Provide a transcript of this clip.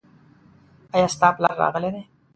ایا ستا پلار راغلی دی ؟